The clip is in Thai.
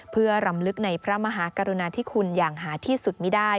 เพื่อรำลึกในพระมหากรุณาธิคุณอย่างหาที่สุดไม่ได้